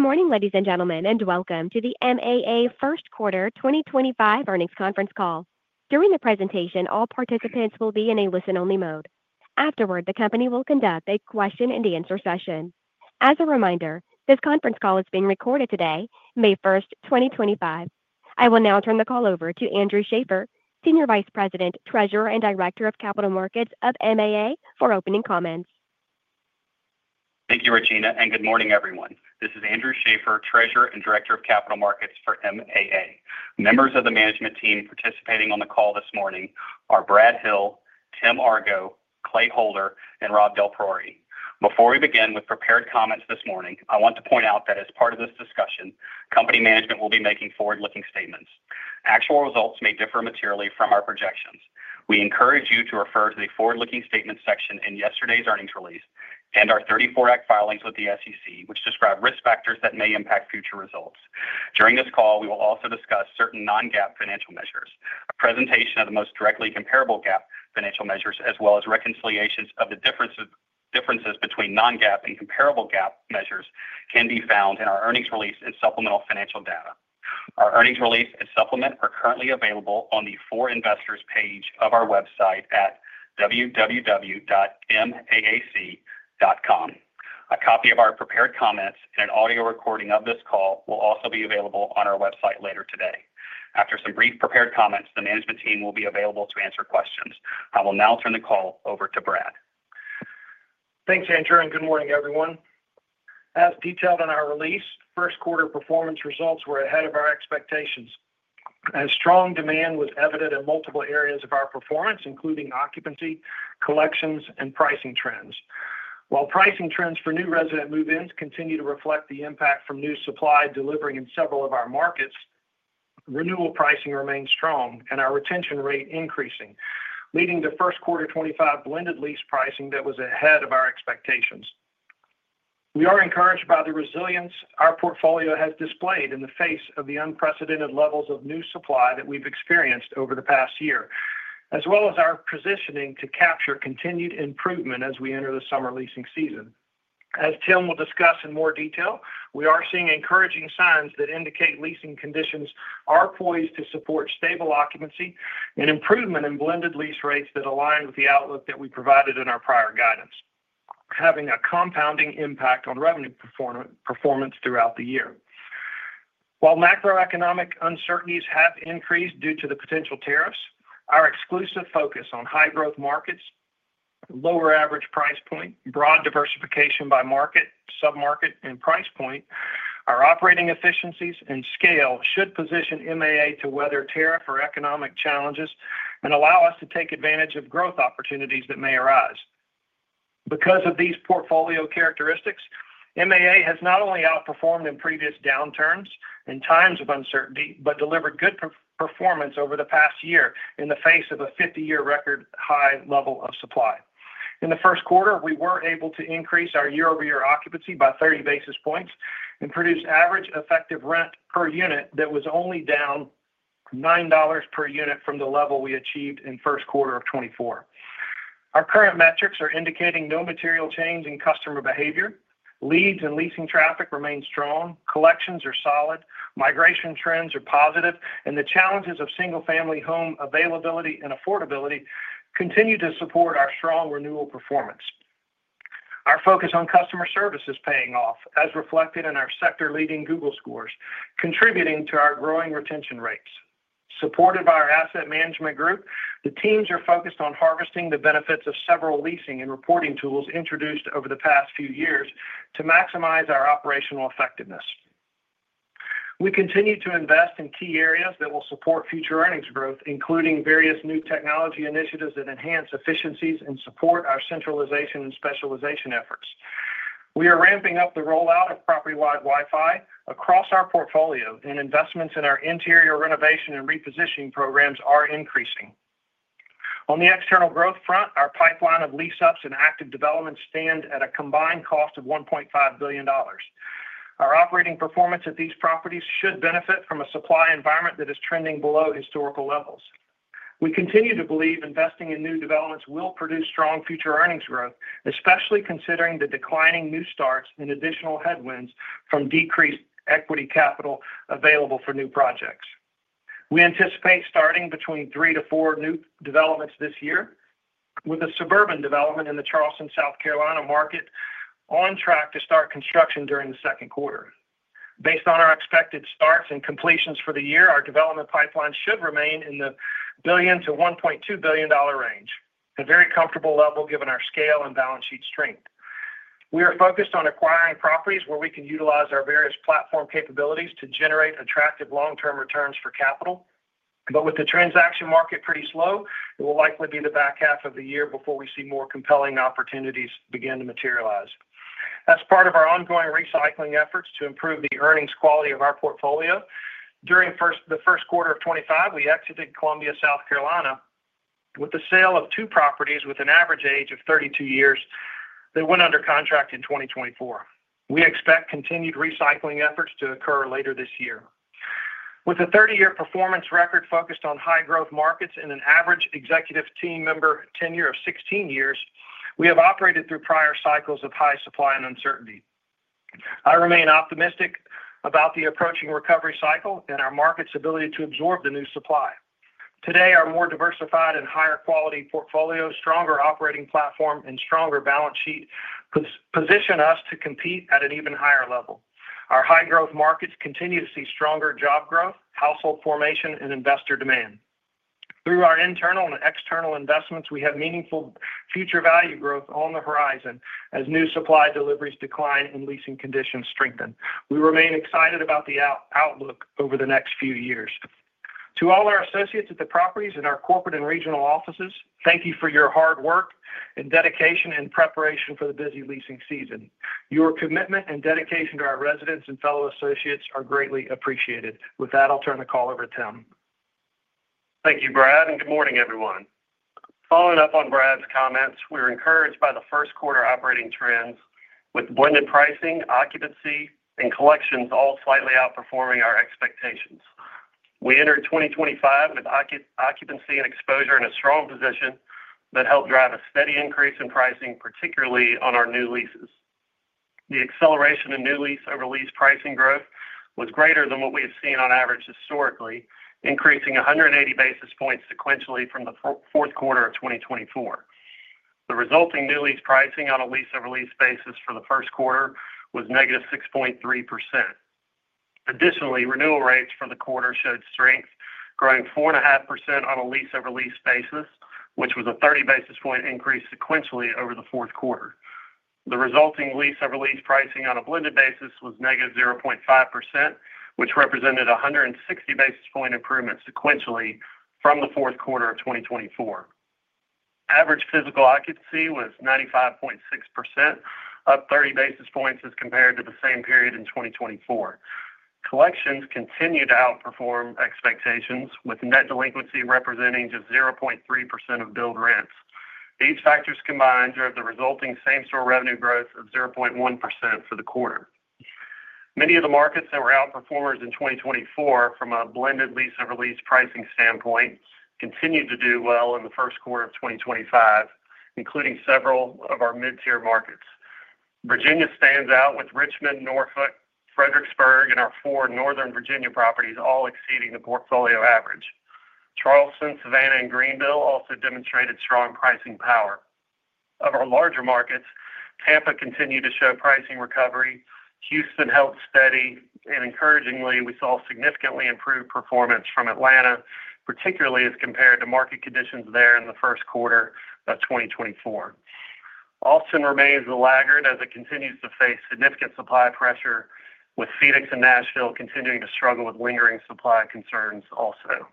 Good morning, ladies and gentlemen, and welcome to the MAA First Quarter 2025 earnings conference call. During the presentation, all participants will be in a listen-only mode. Afterward, the company will conduct a question-and-answer session. As a reminder, this conference call is being recorded today, May 1st, 2025. I will now turn the call over to Andrew Schaeffer, Senior Vice President, Treasurer, and Director of Capital Markets of MAA for opening comments. Thank you, Regina, and good morning, everyone. This is Andrew Schaeffer, Treasurer and Director of Capital Markets for MAA. Members of the management team participating on the call this morning are Brad Hill, Tim Argo, Clay Holder, and Rob DelPriore. Before we begin with prepared comments this morning, I want to point out that as part of this discussion, company management will be making forward-looking statements. Actual results may differ materially from our projections. We encourage you to refer to the forward-looking statements section in yesterday's earnings release and our 34 Act filings with the SEC, which describe risk factors that may impact future results. During this call, we will also discuss certain non-GAAP financial measures. A presentation of the most directly comparable GAAP financial measures, as well as reconciliations of the differences between non-GAAP and comparable GAAP measures, can be found in our earnings release and supplemental financial data. Our earnings release and supplement are currently available on the For Investors page of our website at www.maac.com. A copy of our prepared comments and an audio recording of this call will also be available on our website later today. After some brief prepared comments, the management team will be available to answer questions. I will now turn the call over to Brad. Thanks, Andrew. Good morning, everyone. As detailed in our release, first-quarter performance results were ahead of our expectations. Strong demand was evident in multiple areas of our performance, including occupancy, collections, and pricing trends. While pricing trends for new resident move-ins continue to reflect the impact from new supply delivering in several of our markets, renewal pricing remains strong and our retention rate increasing, leading to first quarter 2025 blended lease pricing that was ahead of our expectations. We are encouraged by the resilience our portfolio has displayed in the face of the unprecedented levels of new supply that we have experienced over the past year, as well as our positioning to capture continued improvement as we enter the summer leasing season. As Tim will discuss in more detail, we are seeing encouraging signs that indicate leasing conditions are poised to support stable occupancy and improvement in blended lease rates that align with the outlook that we provided in our prior guidance, having a compounding impact on revenue performance throughout the year. While macroeconomic uncertainties have increased due to the potential tariffs, our exclusive focus on high-growth markets, lower average price point, broad diversification by market, sub-market, and price point, our operating efficiencies and scale should position MAA to weather tariff or economic challenges and allow us to take advantage of growth opportunities that may arise. Because of these portfolio characteristics, MAA has not only outperformed in previous downturns and times of uncertainty but delivered good performance over the past year in the face of a 50-year record high level of supply. In the first quarter, we were able to increase our year-over-year occupancy by 30 basis points and produce average effective rent per unit that was only down $9 per unit from the level we achieved in first quarter of 2024. Our current metrics are indicating no material change in customer behavior. Leads and leasing traffic remain strong. Collections are solid. Migration trends are positive. The challenges of single-family home availability and affordability continue to support our strong renewal performance. Our focus on customer service is paying off, as reflected in our sector-leading Google scores, contributing to our growing retention rates. Supported by our asset management group, the teams are focused on harvesting the benefits of several leasing and reporting tools introduced over the past few years to maximize our operational effectiveness. We continue to invest in key areas that will support future earnings growth, including various new technology initiatives that enhance efficiencies and support our centralization and specialization efforts. We are ramping up the rollout of property-wide Wi-Fi across our portfolio, and investments in our interior renovation and repositioning programs are increasing. On the external growth front, our pipeline of lease-ups and active developments stand at a combined cost of $1.5 billion. Our operating performance at these properties should benefit from a supply environment that is trending below historical levels. We continue to believe investing in new developments will produce strong future earnings growth, especially considering the declining new starts and additional headwinds from decreased equity capital available for new projects. We anticipate starting between three and four new developments this year, with a suburban development in the Charleston, South Carolina market on track to start construction during the second quarter. Based on our expected starts and completions for the year, our development pipeline should remain in the $1 billion-$1.2 billion range, a very comfortable level given our scale and balance sheet strength. We are focused on acquiring properties where we can utilize our various platform capabilities to generate attractive long-term returns for capital. With the transaction market pretty slow, it will likely be the back half of the year before we see more compelling opportunities begin to materialize. As part of our ongoing recycling efforts to improve the earnings quality of our portfolio, during the first quarter of 2025, we exited Columbia, South Carolina with the sale of two properties with an average age of 32 years that went under contract in 2024. We expect continued recycling efforts to occur later this year. With a 30-year performance record focused on high-growth markets and an average executive team member tenure of 16 years, we have operated through prior cycles of high supply and uncertainty. I remain optimistic about the approaching recovery cycle and our market's ability to absorb the new supply. Today, our more diversified and higher-quality portfolio, stronger operating platform, and stronger balance sheet position us to compete at an even higher level. Our high-growth markets continue to see stronger job growth, household formation, and investor demand. Through our internal and external investments, we have meaningful future value growth on the horizon as new supply deliveries decline and leasing conditions strengthen. We remain excited about the outlook over the next few years. To all our associates at the properties and our corporate and regional offices, thank you for your hard work and dedication in preparation for the busy leasing season. Your commitment and dedication to our residents and fellow associates are greatly appreciated. With that, I'll turn the call over to Tim. Thank you, Brad. Good morning, everyone. Following up on Brad's comments, we're encouraged by the first-quarter operating trends with blended pricing, occupancy, and collections all slightly outperforming our expectations. We entered 2025 with occupancy and exposure in a strong position that helped drive a steady increase in pricing, particularly on our new leases. The acceleration in new lease-over-lease pricing growth was greater than what we have seen on average historically, increasing 180 basis points sequentially from the fourth quarter of 2024. The resulting new lease pricing on a lease-over-lease basis for the first quarter was negative 6.3%. Additionally, renewal rates for the quarter showed strength, growing 4.5% on a lease-over-lease basis, which was a 30 basis point increase sequentially over the fourth quarter. The resulting lease-over-lease pricing on a blended basis was negative 0.5%, which represented 160 basis point improvements sequentially from the fourth quarter of 2024. Average physical occupancy was 95.6%, up 30 basis points as compared to the same period in 2024. Collections continued to outperform expectations, with net delinquency representing just 0.3% of billed rents. These factors combined drove the resulting same-store revenue growth of 0.1% for the quarter. Many of the markets that were outperformers in 2024 from a blended lease-over-lease pricing standpoint continued to do well in the first quarter of 2025, including several of our mid-tier markets. Virginia stands out with Richmond, Norfolk, Fredericksburg, and our four Northern Virginia properties all exceeding the portfolio average. Charleston, Savannah, and Greenville also demonstrated strong pricing power. Of our larger markets, Tampa continued to show pricing recovery. Houston held steady. Encouragingly, we saw significantly improved performance from Atlanta, particularly as compared to market conditions there in the first quarter of 2024. Austin remains the laggard as it continues to face significant supply pressure, with Phoenix and Nashville continuing to struggle with lingering supply concerns also.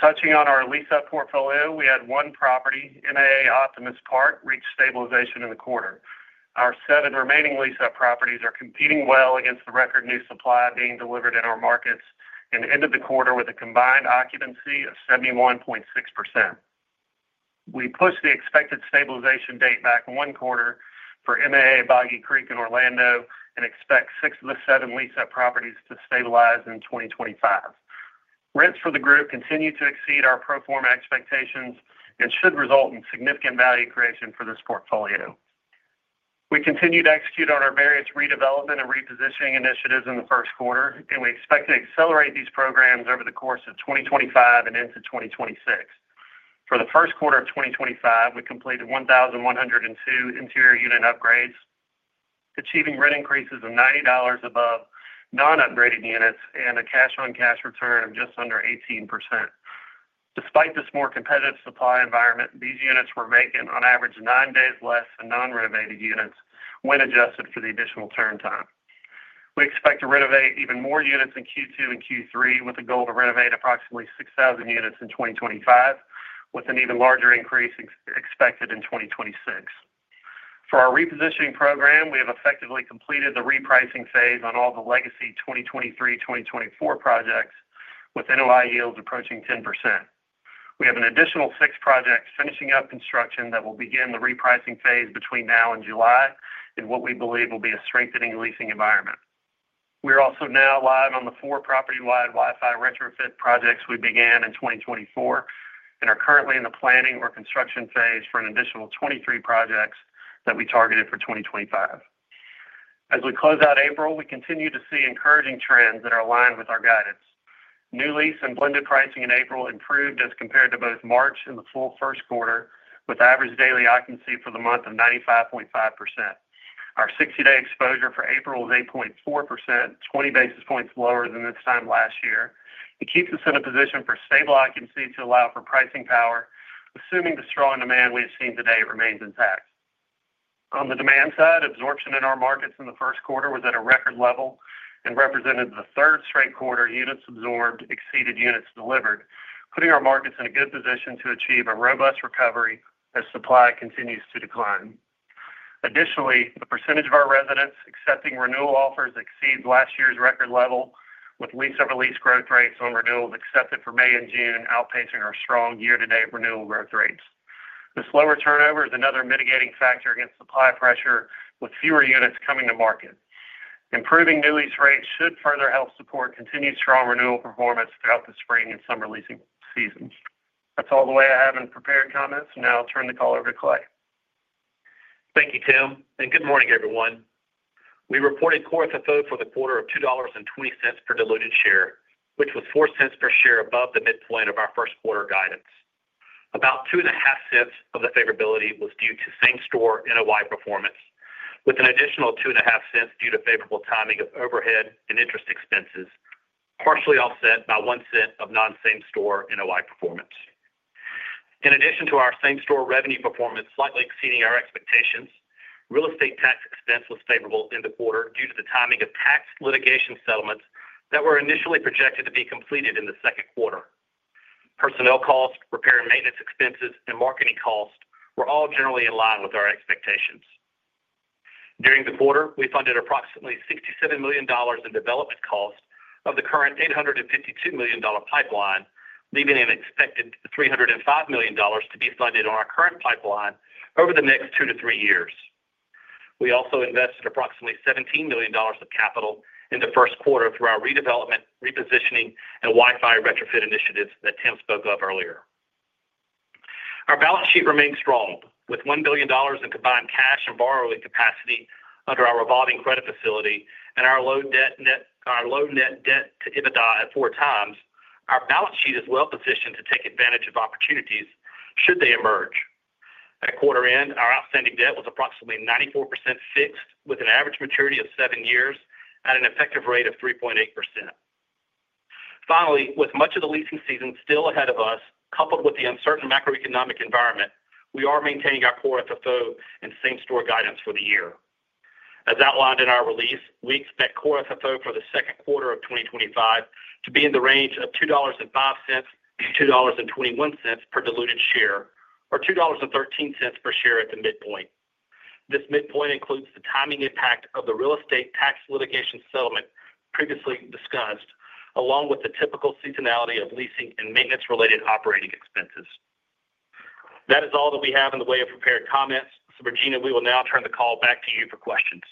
Touching on our lease-up portfolio, we had one property, MAA Optimist Park, reach stabilization in the quarter. Our seven remaining lease-up properties are competing well against the record new supply being delivered in our markets and ended the quarter with a combined occupancy of 71.6%. We pushed the expected stabilization date back one quarter for MAA Boggy Creek in Orlando and expect six of the seven lease-up properties to stabilize in 2025. Rents for the group continue to exceed our pro forma expectations and should result in significant value creation for this portfolio. We continued to execute on our various redevelopment and repositioning initiatives in the first quarter, and we expect to accelerate these programs over the course of 2025 and into 2026. For the first quarter of 2025, we completed 1,102 interior unit upgrades, achieving rent increases of $90 above non-upgraded units and a cash-on-cash return of just under 18%. Despite this more competitive supply environment, these units were vacant on average nine days less than non-renovated units when adjusted for the additional turn time. We expect to renovate even more units in Q2 and Q3 with a goal to renovate approximately 6,000 units in 2025, with an even larger increase expected in 2026. For our repositioning program, we have effectively completed the repricing phase on all the legacy 2023-2024 projects, with NOI yields approaching 10%. We have an additional six projects finishing up construction that will begin the repricing phase between now and July in what we believe will be a strengthening leasing environment. We are also now live on the four property-wide Wi-Fi retrofit projects we began in 2024 and are currently in the planning or construction phase for an additional 23 projects that we targeted for 2025. As we close out April, we continue to see encouraging trends that are aligned with our guidance. New lease and blended pricing in April improved as compared to both March and the full first quarter, with average daily occupancy for the month of 95.5%. Our 60-day exposure for April was 8.4%, 20 basis points lower than this time last year. It keeps us in a position for stable occupancy to allow for pricing power, assuming the strong demand we have seen today remains intact. On the demand side, absorption in our markets in the first quarter was at a record level and represented the third straight quarter units absorbed exceeded units delivered, putting our markets in a good position to achieve a robust recovery as supply continues to decline. Additionally, the percentage of our residents accepting renewal offers exceeds last year's record level, with lease-over-lease growth rates on renewals accepted for May and June outpacing our strong year-to-date renewal growth rates. This lower turnover is another mitigating factor against supply pressure, with fewer units coming to market. Improving new lease rates should further help support continued strong renewal performance throughout the spring and summer leasing season. That's all the way I have in prepared comments. Now I'll turn the call over to Clay. Thank you, Tim. And good morning, everyone. We reported core FFO for the quarter of $2.20 per diluted share, which was 4 cents per share above the midpoint of our first quarter guidance. About 2.5 cents of the favorability was due to same-store NOI performance, with an additional 2.5 cents due to favorable timing of overhead and interest expenses, partially offset by 1 cent of non-same-store NOI performance. In addition to our same-store revenue performance slightly exceeding our expectations, real estate tax expense was favorable in the quarter due to the timing of tax litigation settlements that were initially projected to be completed in the second quarter. Personnel costs, repair and maintenance expenses, and marketing costs were all generally in line with our expectations. During the quarter, we funded approximately $67 million in development cost of the current $852 million pipeline, leaving an expected $305 million to be funded on our current pipeline over the next two to three years. We also invested approximately $17 million of capital in the first quarter through our redevelopment, repositioning, and Wi-Fi retrofit initiatives that Tim spoke of earlier. Our balance sheet remains strong. With $1 billion in combined cash and borrowing capacity under our revolving credit facility and our low net debt to EBITDA at four times, our balance sheet is well positioned to take advantage of opportunities should they emerge. At quarter end, our outstanding debt was approximately 94% fixed with an average maturity of seven years at an effective rate of 3.8%. Finally, with much of the leasing season still ahead of us, coupled with the uncertain macroeconomic environment, we are maintaining our core FFO and same-store guidance for the year. As outlined in our release, we expect core FFO for the second quarter of 2025 to be in the range of $2.05-$2.21 per diluted share, or $2.13 per share at the midpoint. This midpoint includes the timing impact of the real estate tax litigation settlement previously discussed, along with the typical seasonality of leasing and maintenance-related operating expenses. That is all that we have in the way of prepared comments. Virginia, we will now turn the call back to you for questions.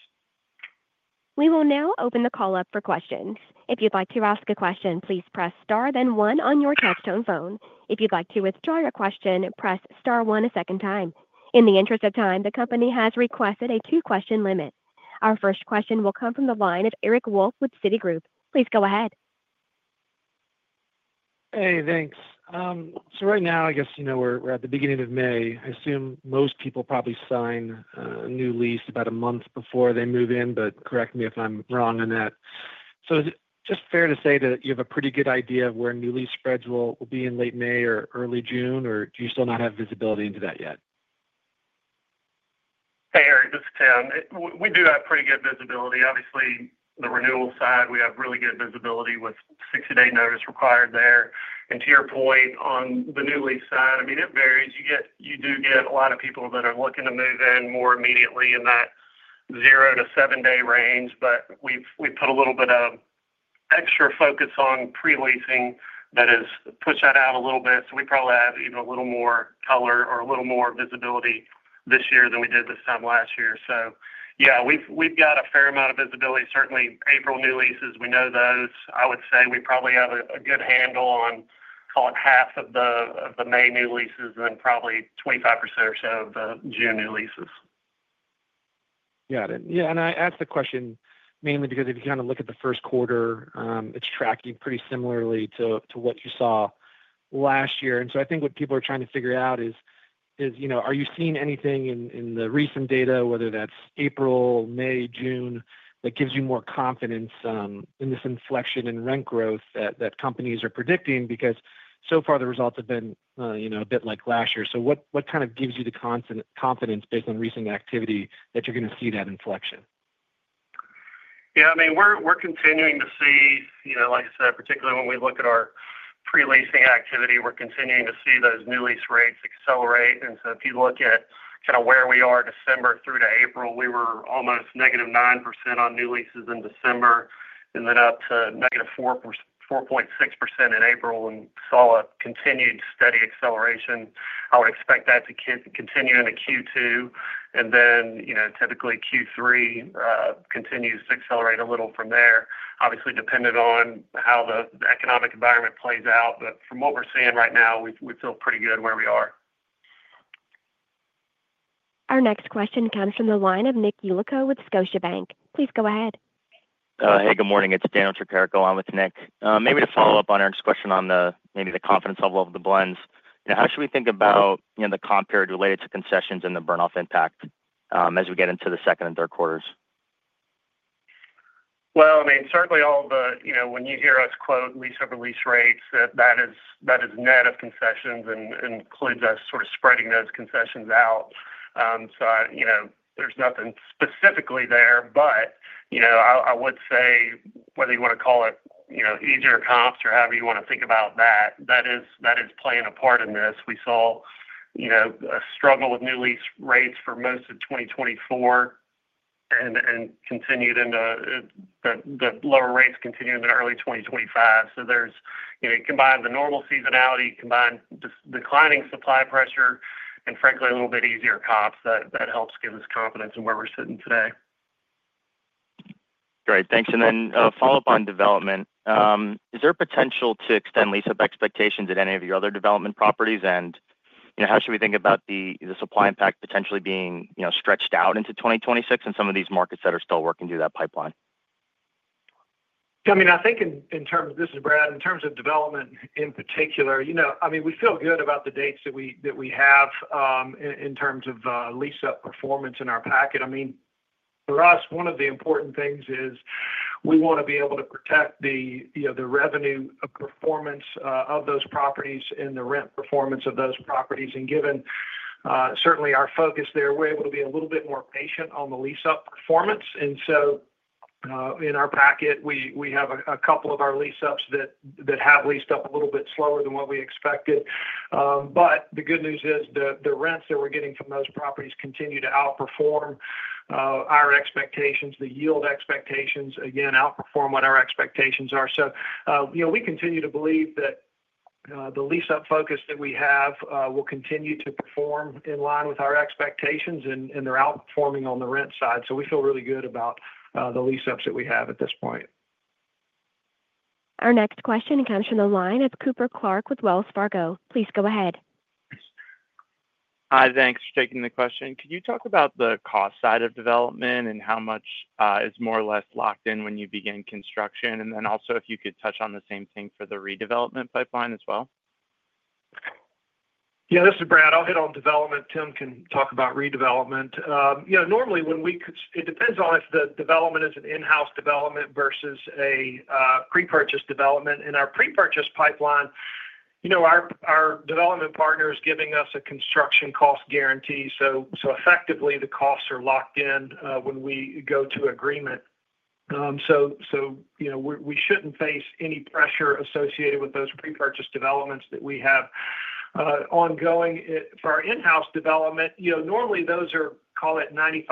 We will now open the call up for questions. If you'd like to ask a question, please press star, then one on your touch-tone phone. If you'd like to withdraw your question, press star one a second time. In the interest of time, the company has requested a two-question limit. Our first question will come from the line of Eric Wolfe with Citigroup. Please go ahead. Hey, thanks. Right now, I guess we're at the beginning of May. I assume most people probably sign a new lease about a month before they move in, but correct me if I'm wrong on that. Is it just fair to say that you have a pretty good idea of where new lease spreads will be in late May or early June, or do you still not have visibility into that yet? Hey, Eric, this is Tim. We do have pretty good visibility. Obviously, the renewal side, we have really good visibility with 60-day notice required there. To your point on the new lease side, I mean, it varies. You do get a lot of people that are looking to move in more immediately in that zero- to seven-day range, but we've put a little bit of extra focus on pre-leasing that has pushed that out a little bit. We probably have even a little more color or a little more visibility this year than we did this time last year. Yeah, we've got a fair amount of visibility. Certainly, April new leases, we know those. I would say we probably have a good handle on, call it, half of the May new leases and probably 25% or so of the June new leases. Got it. Yeah. I asked the question mainly because if you kind of look at the first quarter, it's tracking pretty similarly to what you saw last year. I think what people are trying to figure out is, are you seeing anything in the recent data, whether that's April, May, June, that gives you more confidence in this inflection in rent growth that companies are predicting? Because so far, the results have been a bit like last year. What kind of gives you the confidence based on recent activity that you're going to see that inflection? Yeah. I mean, we're continuing to see, like I said, particularly when we look at our pre-leasing activity, we're continuing to see those new lease rates accelerate. If you look at kind of where we are December through to April, we were almost negative 9% on new leases in December, and then up to negative 4.6% in April and saw a continued steady acceleration. I would expect that to continue into Q2, and typically Q3 continues to accelerate a little from there, obviously dependent on how the economic environment plays out. From what we're seeing right now, we feel pretty good where we are. Our next question comes from the line of Nick Yulico with Scotiabank. Please go ahead. Hey, good morning. It's Dan Tricarico. I'm with Nick. Maybe to follow up on Eric's question on maybe the confidence level of the blends, how should we think about the compared related to concessions and the burn-off impact as we get into the second and third quarters? I mean, certainly all the when you hear us quote lease-over-lease rates, that is net of concessions and includes us sort of spreading those concessions out. There is nothing specifically there. I would say, whether you want to call it easier comps or however you want to think about that, that is playing a part in this. We saw a struggle with new lease rates for most of 2024 and continued into the lower rates continuing into early 2025. There is combined the normal seasonality, combined declining supply pressure, and frankly, a little bit easier comps that helps give us confidence in where we're sitting today. Great. Thanks. Then follow up on development. Is there potential to extend lease-up expectations at any of your other development properties? How should we think about the supply impact potentially being stretched out into 2026 in some of these markets that are still working through that pipeline? I mean, I think in terms of this is Brad. In terms of development in particular, I mean, we feel good about the dates that we have in terms of lease-up performance in our packet. I mean, for us, one of the important things is we want to be able to protect the revenue performance of those properties and the rent performance of those properties. Given certainly our focus there, we're able to be a little bit more patient on the lease-up performance. In our packet, we have a couple of our lease-ups that have leased up a little bit slower than what we expected. The good news is the rents that we're getting from those properties continue to outperform our expectations. The yield expectations, again, outperform what our expectations are. We continue to believe that the lease-up focus that we have will continue to perform in line with our expectations, and they're outperforming on the rent side. We feel really good about the lease-ups that we have at this point. Our next question comes from the line of Cooper Clark with Wells Fargo. Please go ahead. Hi, thanks for taking the question. Could you talk about the cost side of development and how much is more or less locked in when you begin construction? If you could touch on the same thing for the redevelopment pipeline as well. Yeah, this is Brad. I'll hit on development. Tim can talk about redevelopment. Normally, when we could it depends on if the development is an in-house development versus a pre-purchase development. In our pre-purchase pipeline, our development partner is giving us a construction cost guarantee. Effectively, the costs are locked in when we go to agreement. We should not face any pressure associated with those pre-purchase developments that we have ongoing. For our in-house development, normally those are, call it, 95%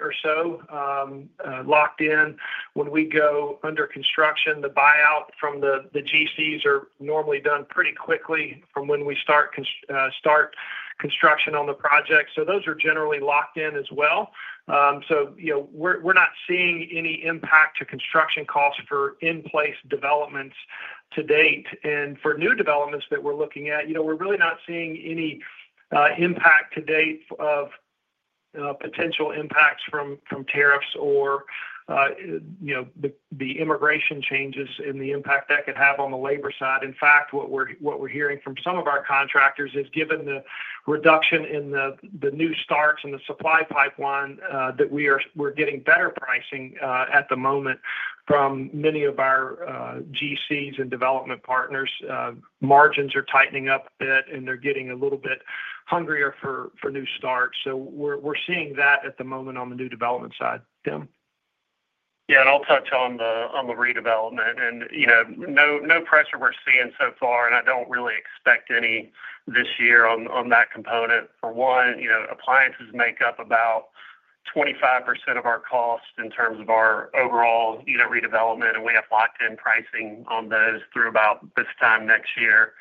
or so locked in. When we go under construction, the buyout from the GCs are normally done pretty quickly from when we start construction on the project. Those are generally locked in as well. We are not seeing any impact to construction costs for in-place developments to date. For new developments that we're looking at, we're really not seeing any impact to date of potential impacts from tariffs or the immigration changes and the impact that could have on the labor side. In fact, what we're hearing from some of our contractors is given the reduction in the new starts and the supply pipeline that we're getting better pricing at the moment from many of our GCs and development partners, margins are tightening up a bit, and they're getting a little bit hungrier for new starts. We are seeing that at the moment on the new development side. Tim? Yeah, and I'll touch on the redevelopment. No pressure we're seeing so far, and I don't really expect any this year on that component. For one, appliances make up about 25% of our cost in terms of our overall redevelopment, and we have locked-in pricing on those through about this time next year.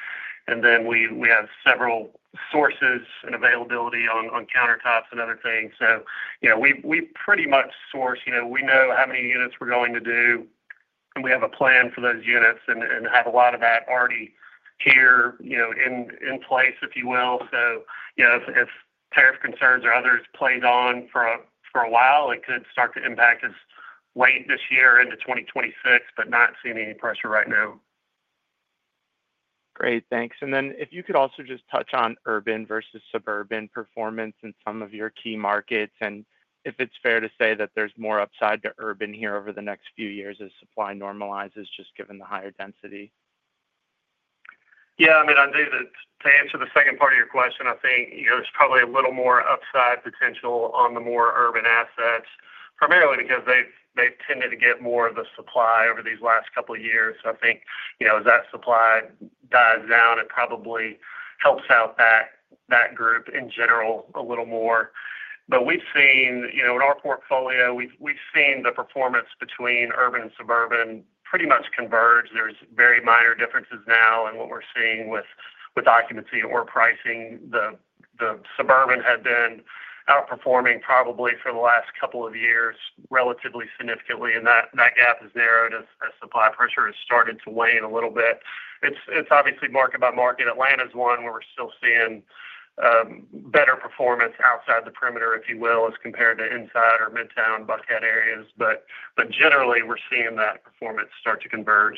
We have several sources and availability on countertops and other things. We pretty much source. We know how many units we're going to do, and we have a plan for those units and have a lot of that already here in place, if you will. If tariff concerns or others play on for a while, it could start to impact us late this year into 2026, but not seeing any pressure right now. Great. Thanks. If you could also just touch on urban versus suburban performance in some of your key markets and if it's fair to say that there's more upside to urban here over the next few years as supply normalizes, just given the higher density. Yeah. I mean, to answer the second part of your question, I think there's probably a little more upside potential on the more urban assets, primarily because they've tended to get more of the supply over these last couple of years. I think as that supply dies down, it probably helps out that group in general a little more. We've seen in our portfolio, we've seen the performance between urban and suburban pretty much converge. There's very minor differences now in what we're seeing with occupancy or pricing. The suburban had been outperforming probably for the last couple of years relatively significantly, and that gap has narrowed as supply pressure has started to wane a little bit. It's obviously market by market. Atlanta's one where we're still seeing better performance outside the perimeter, if you will, as compared to inside or Midtown bucket areas. Generally, we're seeing that performance start to converge.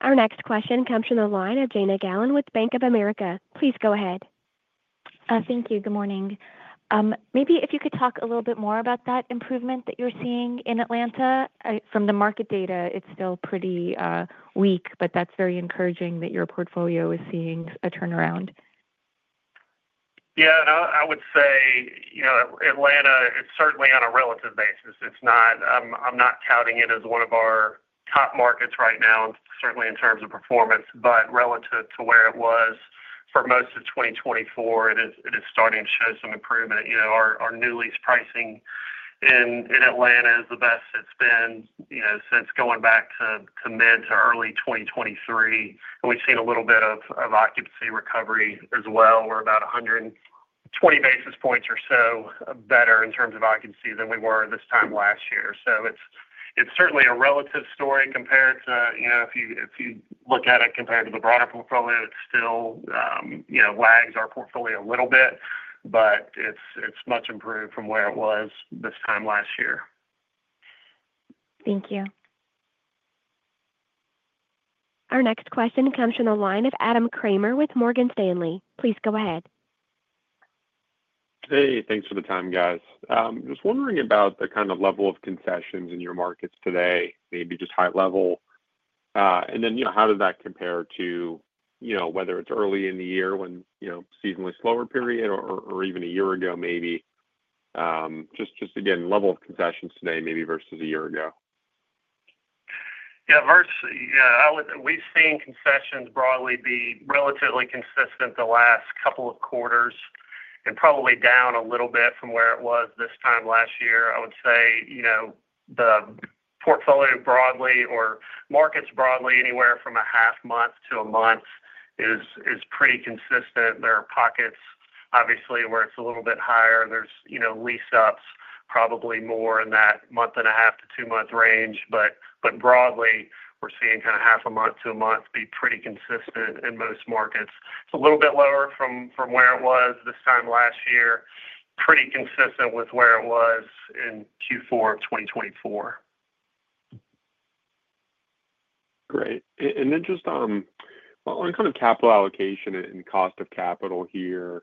Our next question comes from the line of Jana Gallen with Bank of America. Please go ahead. Thank you. Good morning. Maybe if you could talk a little bit more about that improvement that you're seeing in Atlanta. From the market data, it's still pretty weak, but that's very encouraging that your portfolio is seeing a turnaround. Yeah. I would say Atlanta, it's certainly on a relative basis. I'm not touting it as one of our top markets right now, certainly in terms of performance, but relative to where it was for most of 2024, it is starting to show some improvement. Our new lease pricing in Atlanta is the best it's been since going back to mid to early 2023. We've seen a little bit of occupancy recovery as well. We're about 120 basis points or so better in terms of occupancy than we were this time last year. It's certainly a relative story compared to if you look at it compared to the broader portfolio, it still lags our portfolio a little bit, but it's much improved from where it was this time last year. Thank you. Our next question comes from the line of Adam Kramer with Morgan Stanley. Please go ahead. Hey, thanks for the time, guys. Just wondering about the kind of level of concessions in your markets today, maybe just high level. How does that compare to whether it's early in the year when seasonally slower period or even a year ago, maybe? Just again, level of concessions today maybe versus a year ago. Yeah. We've seen concessions broadly be relatively consistent the last couple of quarters and probably down a little bit from where it was this time last year. I would say the portfolio broadly or markets broadly anywhere from a half month to a month is pretty consistent. There are pockets, obviously, where it's a little bit higher. There's lease-ups probably more in that month and a half to two-month range. Broadly, we're seeing kind of half a month to a month be pretty consistent in most markets. It's a little bit lower from where it was this time last year, pretty consistent with where it was in Q4 of 2024. Great. Just on kind of capital allocation and cost of capital here,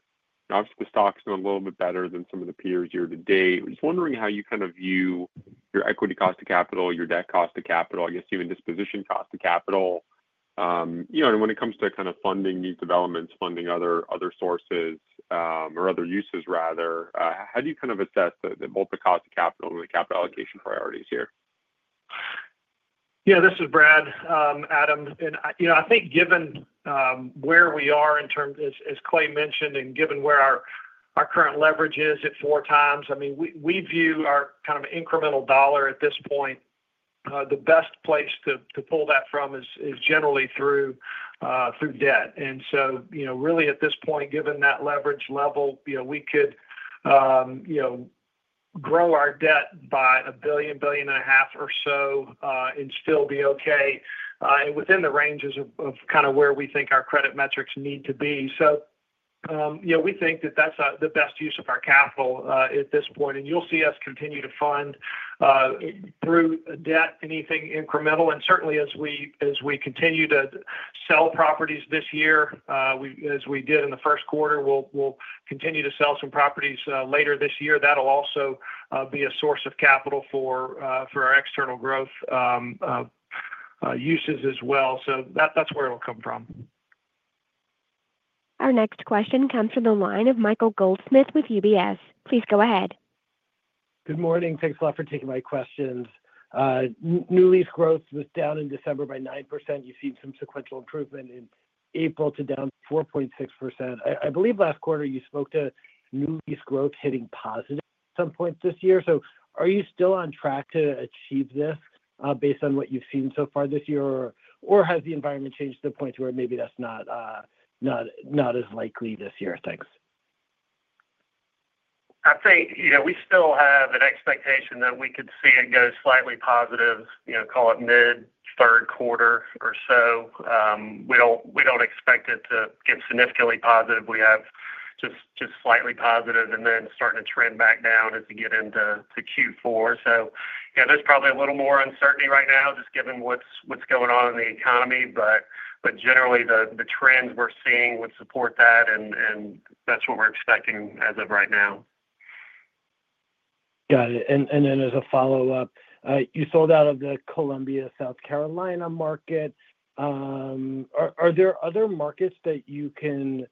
obviously the stock's done a little bit better than some of the peers year to date. Just wondering how you kind of view your equity cost of capital, your debt cost of capital, I guess even disposition cost of capital. When it comes to kind of funding these developments, funding other sources or other uses rather, how do you kind of assess both the cost of capital and the capital allocation priorities here? Yeah, this is Brad, Adam. I think given where we are in terms as Clay mentioned and given where our current leverage is at four times, I mean, we view our kind of incremental dollar at this point. The best place to pull that from is generally through debt. Really at this point, given that leverage level, we could grow our debt by $1 billion-$1.5 billion or so and still be okay within the ranges of kind of where we think our credit metrics need to be. We think that that's the best use of our capital at this point. You'll see us continue to fund through debt, anything incremental. Certainly as we continue to sell properties this year, as we did in the first quarter, we'll continue to sell some properties later this year. That'll also be a source of capital for our external growth uses as well. That's where it'll come from. Our next question comes from the line of Michael Goldsmith with UBS. Please go ahead. Good morning. Thanks a lot for taking my questions. New lease growth was down in December by 9%. You have seen some sequential improvement in April to down 4.6%. I believe last quarter you spoke to new lease growth hitting positive at some point this year. Are you still on track to achieve this based on what you have seen so far this year, or has the environment changed to the point where maybe that is not as likely this year? Thanks. I'd say we still have an expectation that we could see it go slightly positive, call it mid-third quarter or so. We don't expect it to get significantly positive. We have just slightly positive and then starting to trend back down as we get into Q4. There is probably a little more uncertainty right now just given what's going on in the economy. Generally, the trends we're seeing would support that, and that's what we're expecting as of right now. Got it. As a follow-up, you sold out of the Columbia, South Carolina market. Are there other markets that you can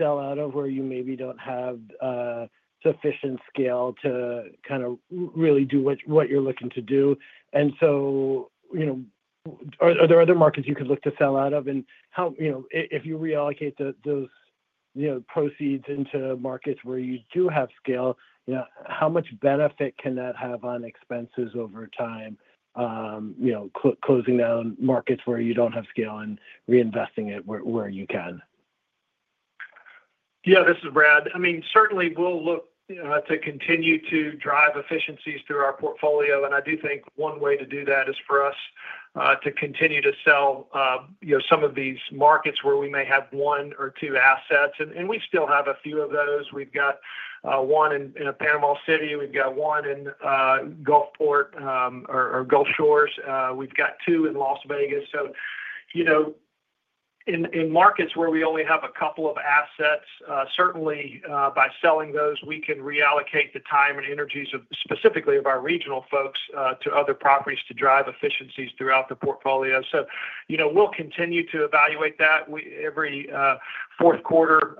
sell out of where you maybe do not have sufficient scale to kind of really do what you are looking to do? Are there other markets you could look to sell out of? If you reallocate those proceeds into markets where you do have scale, how much benefit can that have on expenses over time, closing down markets where you do not have scale and reinvesting it where you can? Yeah, this is Brad. I mean, certainly we'll look to continue to drive efficiencies through our portfolio. I do think one way to do that is for us to continue to sell some of these markets where we may have one or two assets. We still have a few of those. We've got one in Panama City. We've got one in Gulfport or Gulf Shores. We've got two in Las Vegas. In markets where we only have a couple of assets, certainly by selling those, we can reallocate the time and energies specifically of our regional folks to other properties to drive efficiencies throughout the portfolio. We'll continue to evaluate that. Every fourth quarter,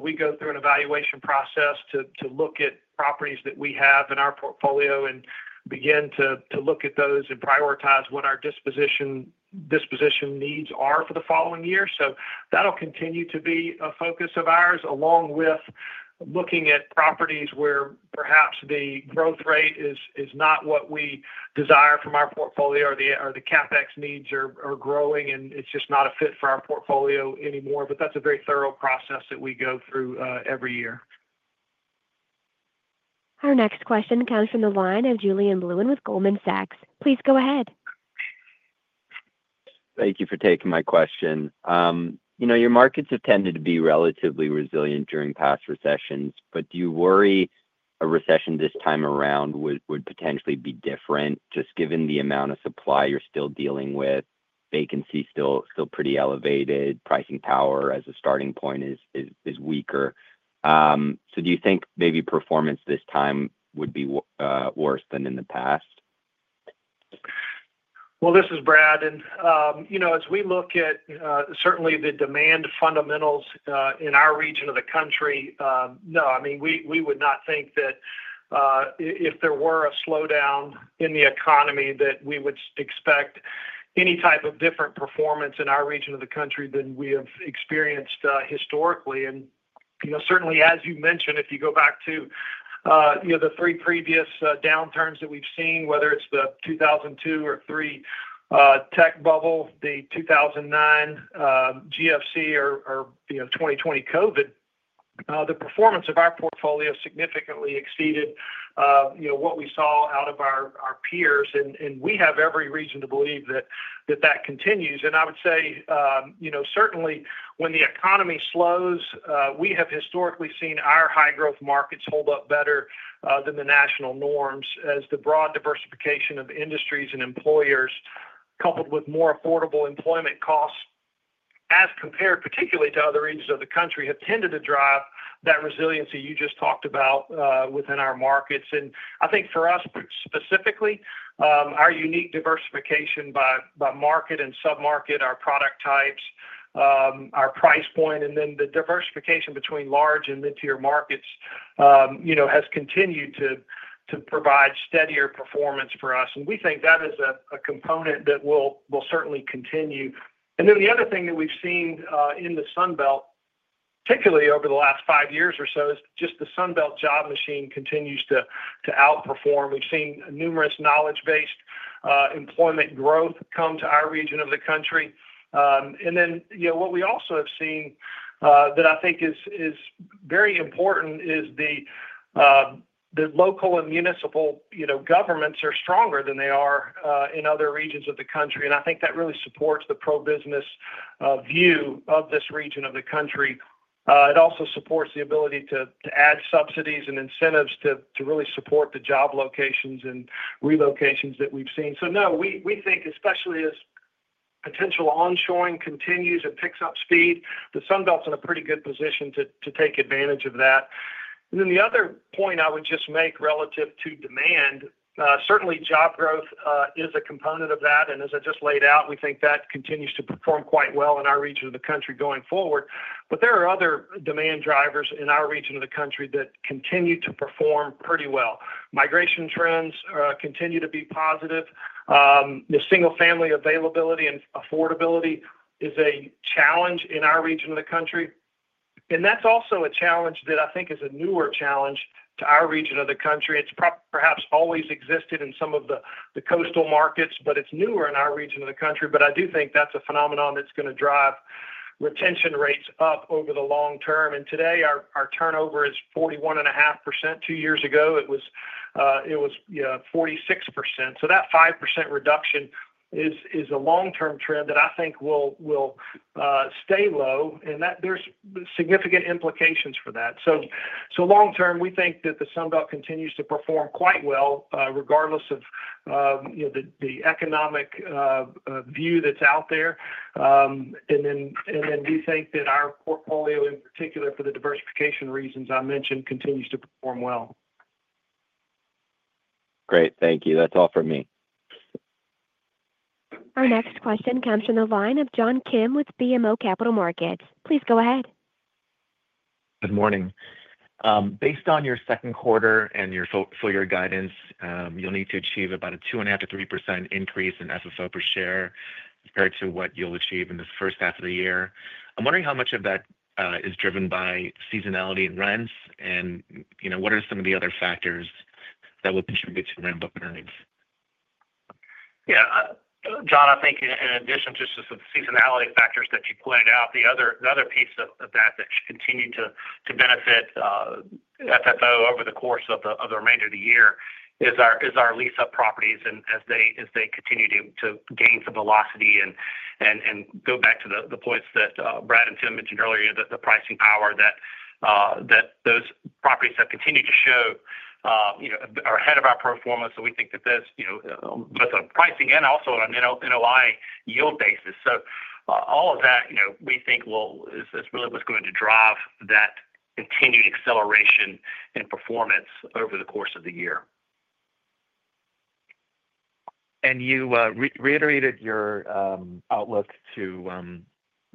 we go through an evaluation process to look at properties that we have in our portfolio and begin to look at those and prioritize what our disposition needs are for the following year. That will continue to be a focus of ours, along with looking at properties where perhaps the growth rate is not what we desire from our portfolio or the CapEx needs are growing, and it's just not a fit for our portfolio anymore. That is a very thorough process that we go through every year. Our next question comes from the line of Julian Blouin with Goldman Sachs. Please go ahead. Thank you for taking my question. Your markets have tended to be relatively resilient during past recessions, but do you worry a recession this time around would potentially be different just given the amount of supply you're still dealing with? Vacancy is still pretty elevated. Pricing power as a starting point is weaker. Do you think maybe performance this time would be worse than in the past? This is Brad. As we look at certainly the demand fundamentals in our region of the country, no. I mean, we would not think that if there were a slowdown in the economy that we would expect any type of different performance in our region of the country than we have experienced historically. Certainly, as you mentioned, if you go back to the three previous downturns that we have seen, whether it is the 2002 or 2003 tech bubble, the 2009 GFC, or 2020 COVID, the performance of our portfolio significantly exceeded what we saw out of our peers. We have every reason to believe that that continues. I would say certainly when the economy slows, we have historically seen our high-growth markets hold up better than the national norms as the broad diversification of industries and employers, coupled with more affordable employment costs as compared particularly to other regions of the country, have tended to drive that resiliency you just talked about within our markets. I think for us specifically, our unique diversification by market and sub-market, our product types, our price point, and then the diversification between large and mid-tier markets has continued to provide steadier performance for us. We think that is a component that will certainly continue. The other thing that we've seen in the Sunbelt, particularly over the last five years or so, is just the Sunbelt job machine continues to outperform. We've seen numerous knowledge-based employment growth come to our region of the country. What we also have seen that I think is very important is the local and municipal governments are stronger than they are in other regions of the country. I think that really supports the pro-business view of this region of the country. It also supports the ability to add subsidies and incentives to really support the job locations and relocations that we've seen. No, we think especially as potential onshoring continues and picks up speed, the Sunbelt's in a pretty good position to take advantage of that. The other point I would just make relative to demand, certainly job growth is a component of that. As I just laid out, we think that continues to perform quite well in our region of the country going forward. There are other demand drivers in our region of the country that continue to perform pretty well. Migration trends continue to be positive. The single-family availability and affordability is a challenge in our region of the country. That's also a challenge that I think is a newer challenge to our region of the country. It's perhaps always existed in some of the coastal markets, but it's newer in our region of the country. I do think that's a phenomenon that's going to drive retention rates up over the long term. Today, our turnover is 41.5%. Two years ago, it was 46%. That 5% reduction is a long-term trend that I think will stay low. There are significant implications for that. Long term, we think that the Sunbelt continues to perform quite well regardless of the economic view that's out there. We think that our portfolio, in particular for the diversification reasons I mentioned, continues to perform well. Great. Thank you. That's all for me. Our next question comes from the line of John Kim with BMO Capital Markets. Please go ahead. Good morning. Based on your second quarter and your full-year guidance, you'll need to achieve about a 2.5-3% increase in SSO per share compared to what you'll achieve in the first half of the year. I'm wondering how much of that is driven by seasonality and rents, and what are some of the other factors that will contribute to rental earnings? Yeah. John, I think in addition to just the seasonality factors that you pointed out, the other piece of that that should continue to benefit FFO over the course of the remainder of the year is our lease-up properties as they continue to gain some velocity and go back to the points that Brad and Tim mentioned earlier, the pricing power that those properties have continued to show are ahead of our performance. We think that there is both a pricing and also an NOI yield basis. All of that, we think, is really what is going to drive that continued acceleration in performance over the course of the year. You reiterated your outlook to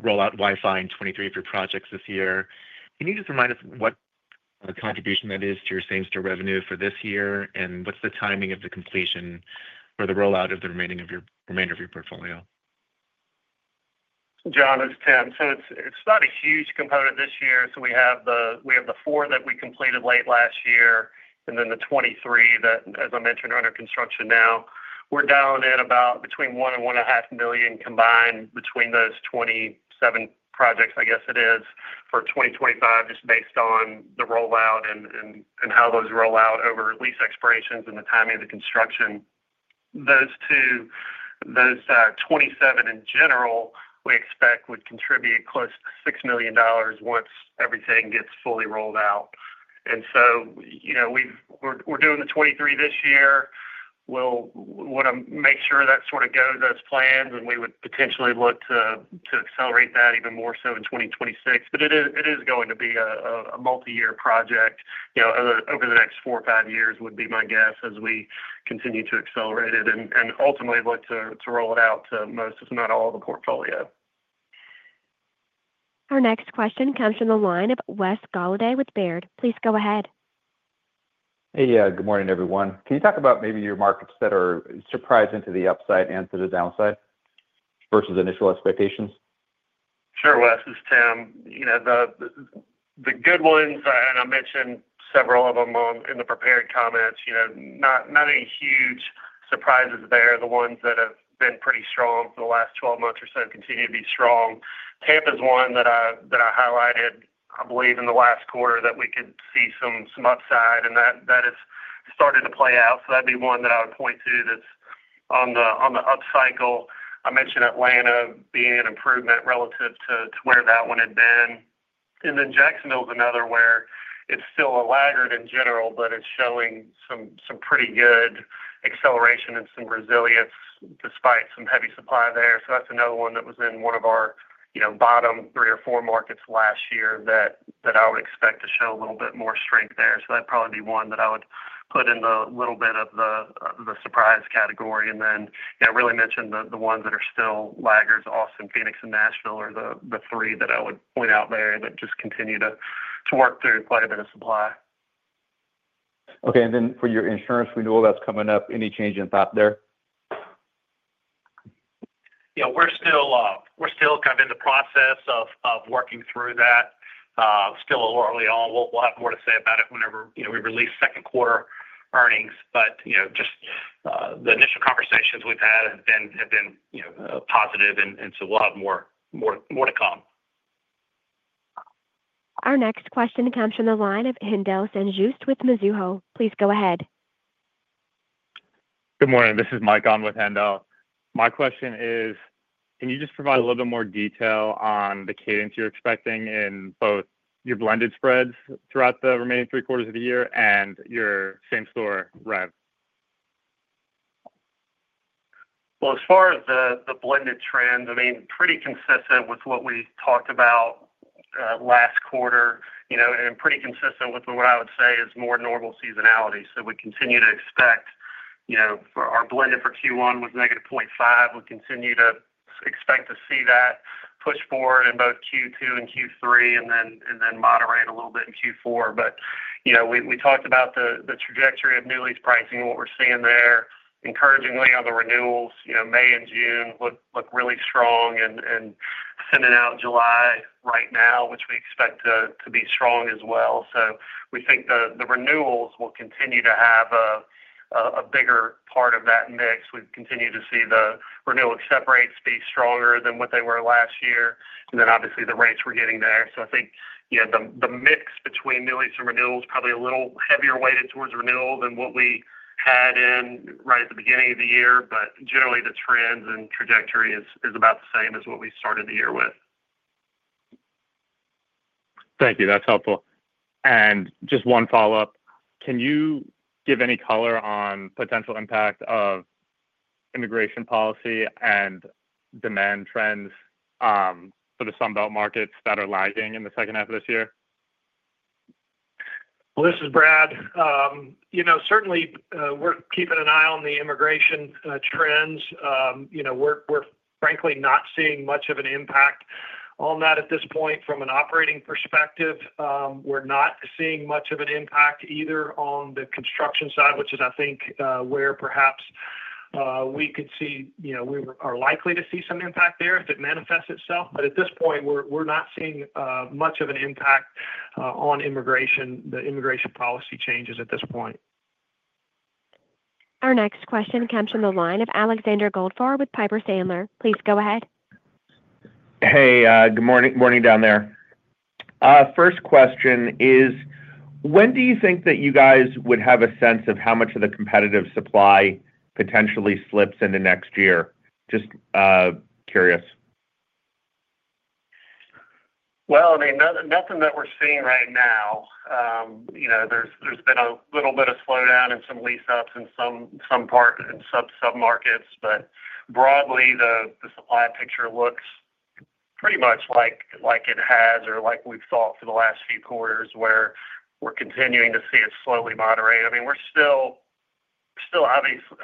roll out Wi-Fi in 23 for projects this year. Can you just remind us what contribution that is to your same-store revenue for this year? What is the timing of the completion or the rollout of the remainder of your portfolio? John, this is Tim. It's not a huge component this year. We have the four that we completed late last year and then the 2023 that, as I mentioned, are under construction now. We're down at about between $1 million and $1.5 million combined between those 27 projects, I guess it is, for 2025, just based on the rollout and how those roll out over lease expirations and the timing of the construction. Those 27 in general, we expect would contribute close to $6 million once everything gets fully rolled out. We're doing the 2023 this year. We'll want to make sure that sort of goes as planned, and we would potentially look to accelerate that even more so in 2026. It is going to be a multi-year project over the next four or five years would be my guess as we continue to accelerate it and ultimately look to roll it out to most, if not all, of the portfolio. Our next question comes from the line of Wes Golladay with Baird. Please go ahead. Hey, good morning, everyone. Can you talk about maybe your markets that are surprising to the upside and to the downside versus initial expectations? Sure, Wes. This is Tim. The good ones, and I mentioned several of them in the prepared comments, not any huge surprises there. The ones that have been pretty strong for the last 12 months or so continue to be strong. Tampa's one that I highlighted, I believe, in the last quarter that we could see some upside, and that has started to play out. That would be one that I would point to that's on the upcycle. I mentioned Atlanta being an improvement relative to where that one had been. Jacksonville is another where it's still a laggard in general, but it's showing some pretty good acceleration and some resilience despite some heavy supply there. That is another one that was in one of our bottom three or four markets last year that I would expect to show a little bit more strength there. That'd probably be one that I would put in the little bit of the surprise category. I really mentioned the ones that are still laggards, Austin, Phoenix, and Nashville are the three that I would point out there that just continue to work through quite a bit of supply. Okay. For your insurance renewal that is coming up, any change in thought there? Yeah. We're still kind of in the process of working through that. Still a little early on. We'll have more to say about it whenever we release second quarter earnings. Just the initial conversations we've had have been positive, and so we'll have more to come. Our next question comes from the line of Haendel St. Juste with Mizuho. Please go ahead. Good morning. This is Mike On with Handel. My question is, can you just provide a little bit more detail on the cadence you're expecting in both your blended spreads throughout the remaining three quarters of the year and your same-store rev? As far as the blended trend, I mean, pretty consistent with what we talked about last quarter and pretty consistent with what I would say is more normal seasonality. We continue to expect our blended for Q1 was negative 0.5%. We continue to expect to see that push forward in both Q2 and Q3 and then moderate a little bit in Q4. We talked about the trajectory of new lease pricing and what we're seeing there. Encouragingly, on the renewals, May and June look really strong and sending out July right now, which we expect to be strong as well. We think the renewals will continue to have a bigger part of that mix. We've continued to see the renewal accept rates be stronger than what they were last year. Obviously, the rates we're getting there. I think the mix between new lease and renewal is probably a little heavier weighted towards renewal than what we had in right at the beginning of the year. But generally, the trends and trajectory is about the same as what we started the year with. Thank you. That's helpful. Just one follow-up. Can you give any color on potential impact of immigration policy and demand trends for the Sunbelt markets that are lagging in the second half of this year? Certainly, we're keeping an eye on the immigration trends. We're frankly not seeing much of an impact on that at this point from an operating perspective. We're not seeing much of an impact either on the construction side, which is, I think, where perhaps we could see we are likely to see some impact there if it manifests itself. At this point, we're not seeing much of an impact on immigration, the immigration policy changes at this point. Our next question comes from the line of Alexander Goldfarb with Piper Sandler. Please go ahead. Hey, good morning down there. First question is, when do you think that you guys would have a sense of how much of the competitive supply potentially slips into next year? Just curious. I mean, nothing that we're seeing right now. There's been a little bit of slowdown in some lease-ups in some parts and sub-markets. But broadly, the supply picture looks pretty much like it has or like we've thought for the last few quarters where we're continuing to see it slowly moderate. I mean, we're still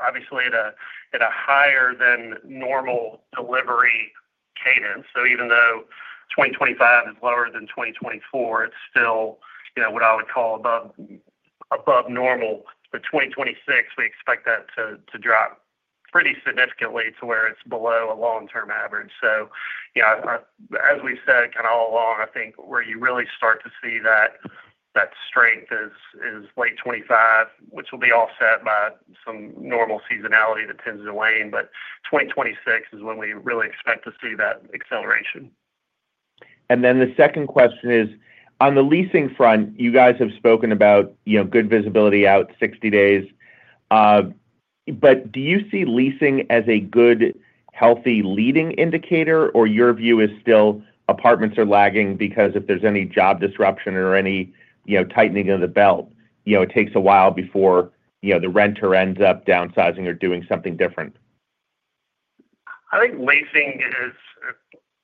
obviously at a higher-than-normal delivery cadence. Even though 2025 is lower than 2024, it's still what I would call above normal. 2026, we expect that to drop pretty significantly to where it's below a long-term average. As we've said kind of all along, I think where you really start to see that strength is late 2025, which will be offset by some normal seasonality that tends to wane. 2026 is when we really expect to see that acceleration. The second question is, on the leasing front, you guys have spoken about good visibility out 60 days. Do you see leasing as a good, healthy leading indicator, or is your view still apartments are lagging because if there is any job disruption or any tightening of the belt, it takes a while before the renter ends up downsizing or doing something different? I think leasing,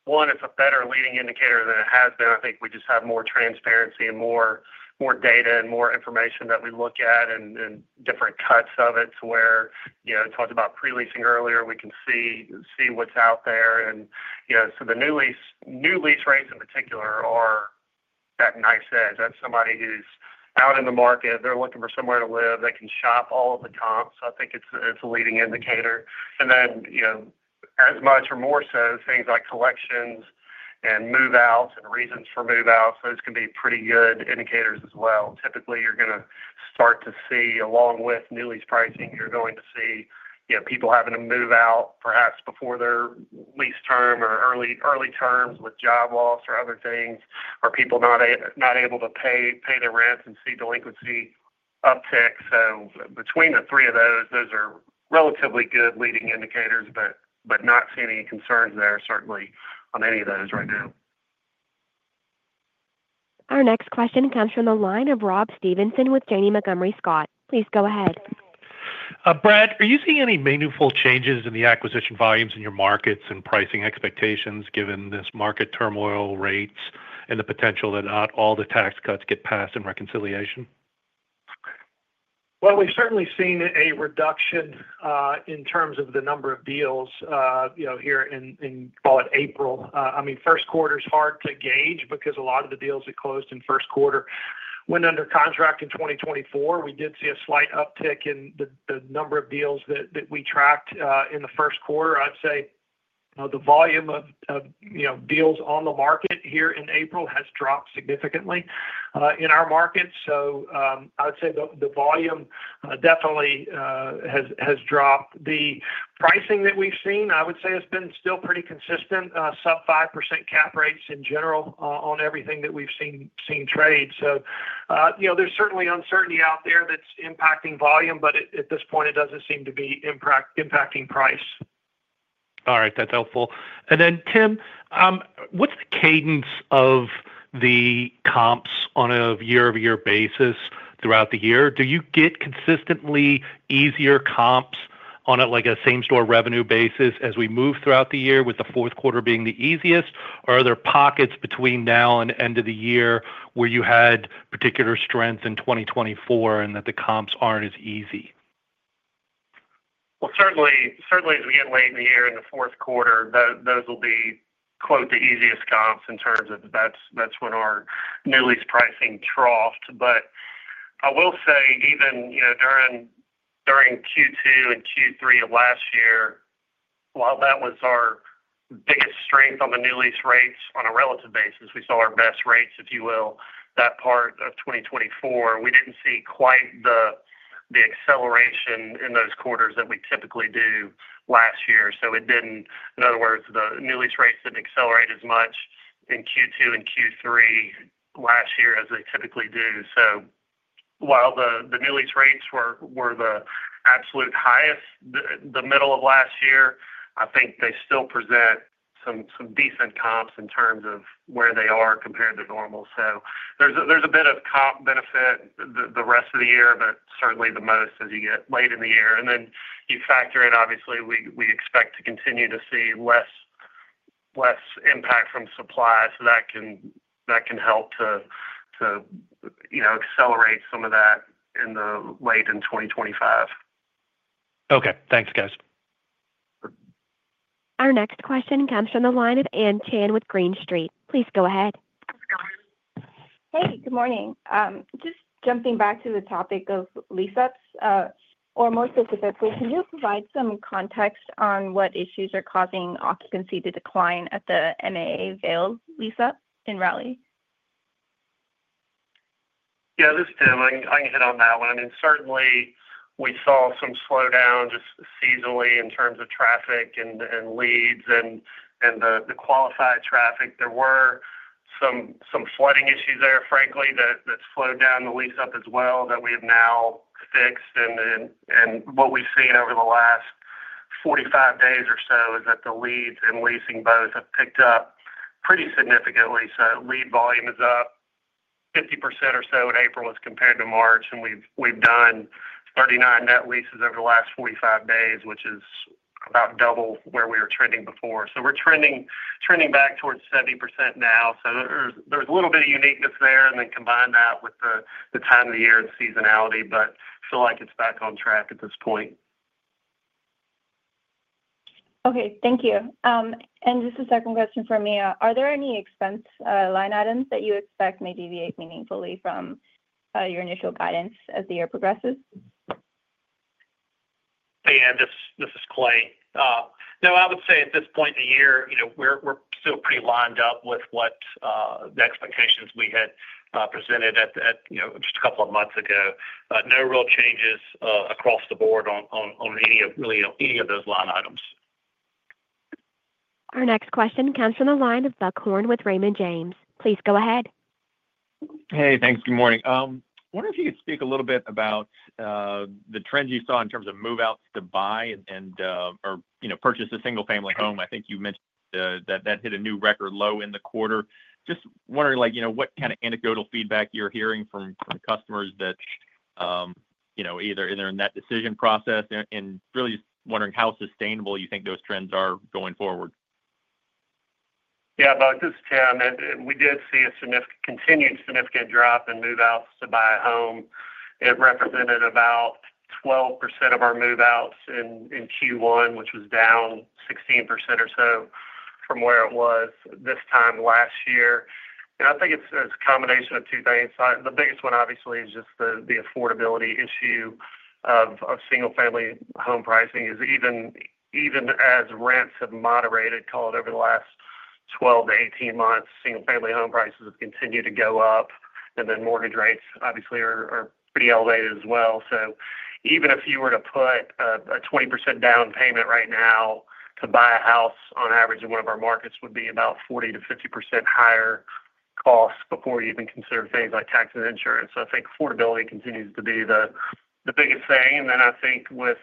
one, is a better leading indicator than it has been. I think we just have more transparency and more data and more information that we look at and different cuts of it to where it talked about pre-leasing earlier. We can see what's out there. The new lease rates in particular are that nice edge. That's somebody who's out in the market. They're looking for somewhere to live. They can shop all of the comps. I think it's a leading indicator. As much or more so, things like collections and move-outs and reasons for move-outs, those can be pretty good indicators as well. Typically, you're going to start to see, along with new lease pricing, you're going to see people having to move out perhaps before their lease term or early terms with job loss or other things, or people not able to pay their rents and see delinquency uptick. Between the three of those, those are relatively good leading indicators, but not seeing any concerns there certainly on any of those right now. Our next question comes from the line of Rob Stevenson with Janney Montgomery Scott. Please go ahead. Brad, are you seeing any meaningful changes in the acquisition volumes in your markets and pricing expectations given this market turmoil, rates, and the potential that not all the tax cuts get passed in reconciliation? We've certainly seen a reduction in terms of the number of deals here in, call it, April. I mean, first quarter is hard to gauge because a lot of the deals that closed in first quarter went under contract in 2024. We did see a slight uptick in the number of deals that we tracked in the first quarter. I'd say the volume of deals on the market here in April has dropped significantly in our market. I would say the volume definitely has dropped. The pricing that we've seen, I would say, has been still pretty consistent, sub 5% cap rates in general on everything that we've seen trade. There's certainly uncertainty out there that's impacting volume, but at this point, it doesn't seem to be impacting price. All right. That's helpful. Tim, what's the cadence of the comps on a year-over-year basis throughout the year? Do you get consistently easier comps on a same-store revenue basis as we move throughout the year, with the fourth quarter being the easiest? Are there pockets between now and end of the year where you had particular strength in 2024 and that the comps aren't as easy? Certainly, as we get late in the year and the fourth quarter, those will be quote the easiest comps in terms of that's when our new lease pricing troughed. I will say even during Q2 and Q3 of last year, while that was our biggest strength on the new lease rates on a relative basis, we saw our best rates, if you will, that part of 2024. We did not see quite the acceleration in those quarters that we typically do last year. In other words, the new lease rates did not accelerate as much in Q2 and Q3 last year as they typically do. While the new lease rates were the absolute highest the middle of last year, I think they still present some decent comps in terms of where they are compared to normal. There is a bit of comp benefit the rest of the year, but certainly the most as you get late in the year. And then you factor in, obviously, we expect to continue to see less impact from supply. So that can help to accelerate some of that in the late in 2025. Okay. Thanks, guys. Our next question comes from the line of Ann Chan with Green Street. Please go ahead. Hey, good morning. Just jumping back to the topic of lease-ups, or more specifically, can you provide some context on what issues are causing occupancy to decline at the MAA Vale lease-up in Raleigh? Yeah, this is Tim. I can hit on that one. I mean, certainly, we saw some slowdown just seasonally in terms of traffic and leads and the qualified traffic. There were some flooding issues there, frankly, that slowed down the lease-up as well that we have now fixed. What we've seen over the last 45 days or so is that the leads and leasing both have picked up pretty significantly. Lead volume is up 50% or so in April as compared to March. We've done 39 net leases over the last 45 days, which is about double where we were trending before. We're trending back towards 70% now. There's a little bit of uniqueness there. Combine that with the time of the year and seasonality, but I feel like it's back on track at this point. Thank you. Just a second question from me. Are there any expense line items that you expect may deviate meaningfully from your initial guidance as the year progresses? Hey, Ann. This is Clay. No, I would say at this point in the year, we're still pretty lined up with what the expectations we had presented just a couple of months ago. No real changes across the board on really any of those line items. Our next question comes from the line of Buck Horne with Raymond James. Please go ahead. Hey, thanks. Good morning. I wonder if you could speak a little bit about the trend you saw in terms of move-outs to buy or purchase a single-family home. I think you mentioned that that hit a new record low in the quarter. Just wondering what kind of anecdotal feedback you're hearing from customers that either in their net decision process and really just wondering how sustainable you think those trends are going forward. Yeah, this is Tim. We did see a continued significant drop in move-outs to buy a home. It represented about 12% of our move-outs in Q1, which was down 16% or so from where it was this time last year. I think it's a combination of two things. The biggest one, obviously, is just the affordability issue of single-family home pricing. Even as rents have moderated, call it, over the last 12 to 18 months, single-family home prices have continued to go up. Mortgage rates, obviously, are pretty elevated as well. Even if you were to put a 20% down payment right now to buy a house, on average, in one of our markets it would be about 40-50% higher costs before you even consider things like tax and insurance. I think affordability continues to be the biggest thing. I think with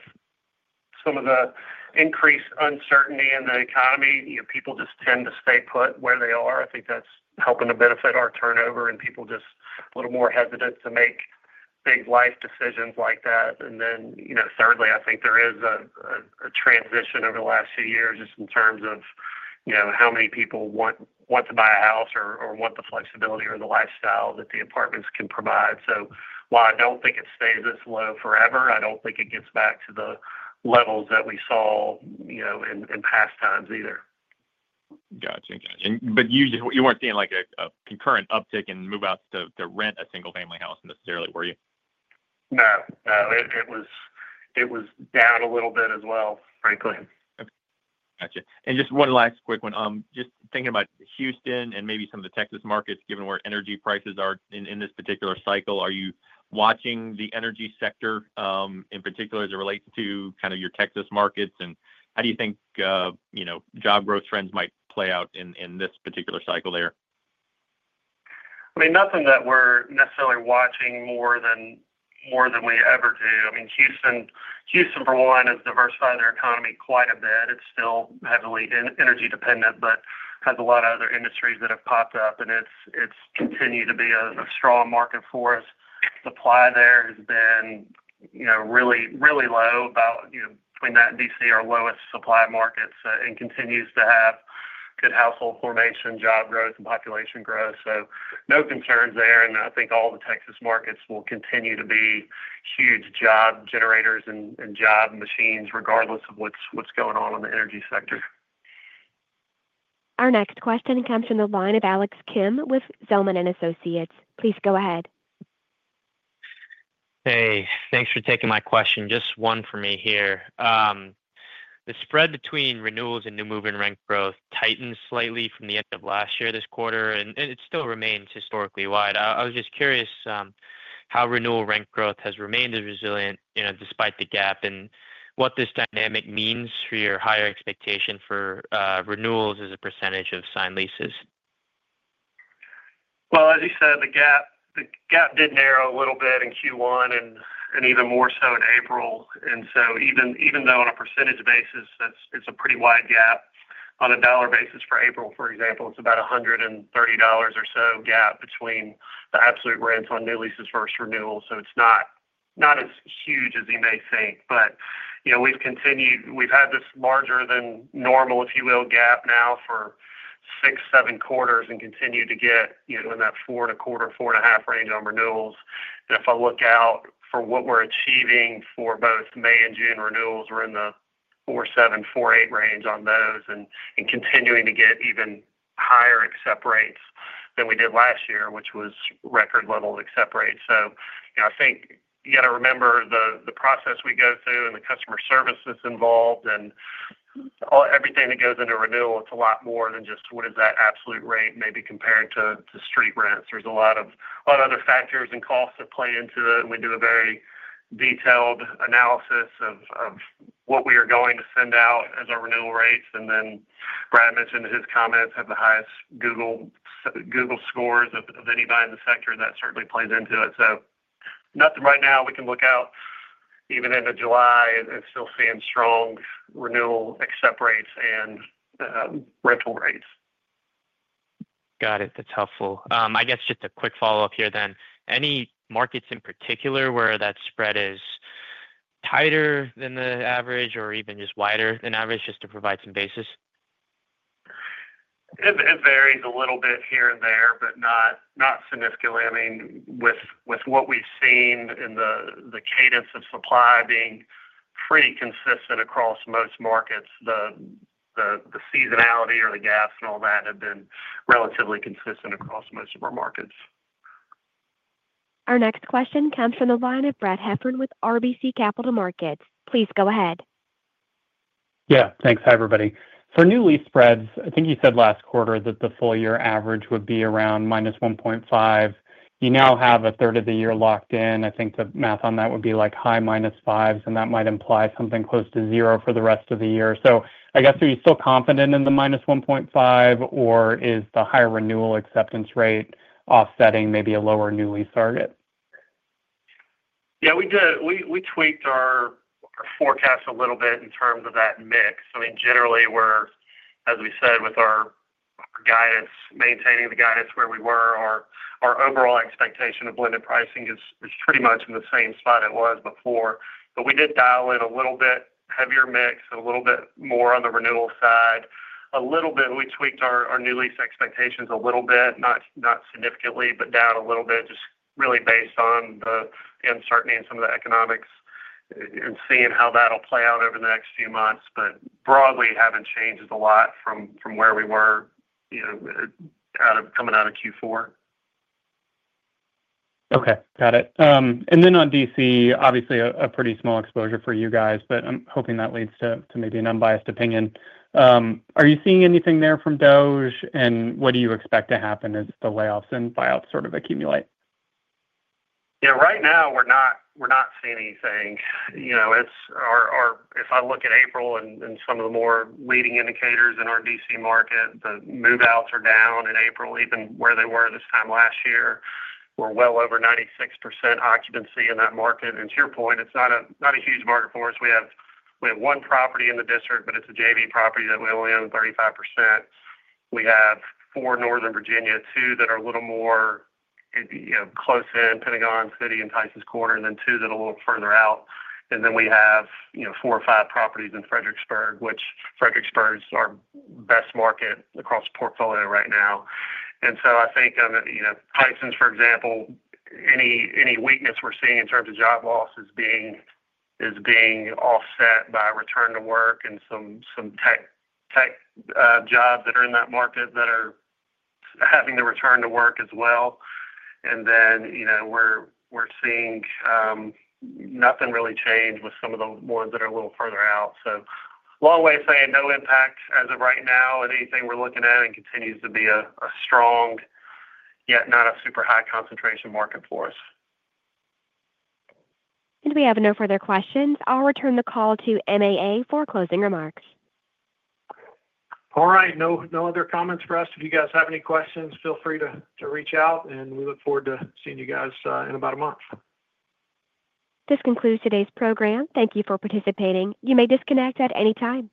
some of the increased uncertainty in the economy, people just tend to stay put where they are. I think that's helping to benefit our turnover and people just a little more hesitant to make big life decisions like that. Thirdly, I think there is a transition over the last few years just in terms of how many people want to buy a house or want the flexibility or the lifestyle that the apartments can provide. While I don't think it stays this low forever, I don't think it gets back to the levels that we saw in past times either. Gotcha. Gotcha. You were not seeing a concurrent uptick in move-outs to rent a single-family house necessarily, were you? No. No. It was down a little bit as well, frankly. Gotcha. Just one last quick one. Just thinking about Houston and maybe some of the Texas markets, given where energy prices are in this particular cycle, are you watching the energy sector in particular as it relates to kind of your Texas markets? How do you think job growth trends might play out in this particular cycle there? I mean, nothing that we are necessarily watching more than we ever do. I mean, Houston, for one, has diversified their economy quite a bit. It is still heavily energy-dependent, but has a lot of other industries that have popped up. It has continued to be a strong market for us. Supply there has been really low, about between that and D.C., our lowest supply markets, and continues to have good household formation, job growth, and population growth. No concerns there. I think all the Texas markets will continue to be huge job generators and job machines, regardless of what is going on in the energy sector. Our next question comes from the line of Alex Kim with Zelman & Associates. Please go ahead. Hey. Thanks for taking my question. Just one for me here. The spread between renewals and new move-in rent growth tightened slightly from the end of last year, this quarter, and it still remains historically wide. I was just curious how renewal rent growth has remained as resilient despite the gap and what this dynamic means for your higher expectation for renewals as a percentage of signed leases. As you said, the gap did narrow a little bit in Q1 and even more so in April. Even though on a percentage basis, it is a pretty wide gap, on a dollar basis for April, for example, it is about $130 or so gap between the absolute rents on new leases versus renewals. It is not as huge as you may think. We have had this larger than normal, if you will, gap now for six or seven quarters and continue to get in that 4.25%-4.5% range on renewals. If I look out for what we are achieving for both May and June renewals, we are in the 4.7%-4.8% range on those and continuing to get even higher accept rates than we did last year, which was record level accept rates. I think you got to remember the process we go through and the customer service that's involved and everything that goes into renewal. It's a lot more than just what is that absolute rate maybe compared to street rents. There's a lot of other factors and costs that play into it. We do a very detailed analysis of what we are going to send out as our renewal rates. Brad mentioned in his comments having the highest Google scores of anybody in the sector. That certainly plays into it. Nothing right now we can look out even into July and still seeing strong renewal accept rates and rental rates. Got it. That's helpful. I guess just a quick follow-up here then. Any markets in particular where that spread is tighter than the average or even just wider than average just to provide some basis? It varies a little bit here and there, but not significantly. I mean, with what we've seen in the cadence of supply being pretty consistent across most markets, the seasonality or the gaps and all that have been relatively consistent across most of our markets. Our next question comes from the line of Brad Heffern with RBC Capital Markets. Please go ahead. Yeah. Thanks. Hi, everybody. For new lease spreads, I think you said last quarter that the full-year average would be around minus 1.5. You now have a third of the year locked in. I think the math on that would be like high minus fives, and that might imply something close to zero for the rest of the year. I guess are you still confident in the minus 1.5, or is the higher renewal acceptance rate offsetting maybe a lower new lease target? Yeah. We tweaked our forecast a little bit in terms of that mix. I mean, generally, as we said, with our guidance, maintaining the guidance where we were, our overall expectation of blended pricing is pretty much in the same spot it was before. We did dial in a little bit heavier mix, a little bit more on the renewal side. A little bit, we tweaked our new lease expectations a little bit, not significantly, but down a little bit, just really based on the uncertainty and some of the economics and seeing how that'll play out over the next few months. Broadly, it hasn't changed a lot from where we were coming out of Q4. Okay. Got it. On D.C., obviously, a pretty small exposure for you guys, but I'm hoping that leads to maybe an unbiased opinion. Are you seeing anything there from D.C.? What do you expect to happen as the layoffs and buyouts sort of accumulate? Yeah. Right now, we're not seeing anything. If I look at April and some of the more leading indicators in our D.C. market, the move-outs are down in April, even where they were this time last year. We're well over 96% occupancy in that market. To your point, it's not a huge market for us. We have one property in the district, but it's a JV property that we only own 35%. We have four Northern Virginia, two that are a little more close in, Pentagon City and Tysons Corner, and then two that are a little further out. We have four or five properties in Fredericksburg, which Fredericksburg is our best market across the portfolio right now. I think Tysons, for example, any weakness we're seeing in terms of job loss is being offset by return to work and some tech jobs that are in that market that are having to return to work as well. Then we're seeing nothing really change with some of the ones that are a little further out. Long way of saying no impact as of right now on anything we're looking at and continues to be a strong, yet not a super high concentration market for us. We have no further questions. I'll return the call to MAA for closing remarks. All right. No other comments for us. If you guys have any questions, feel free to reach out. We look forward to seeing you guys in about a month. This concludes today's program. Thank you for participating. You may disconnect at any time.